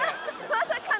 まさかの。